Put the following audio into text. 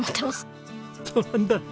そうなんだ。